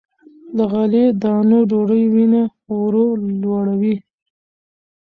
له غلې- دانو ډوډۍ وینه ورو لوړوي.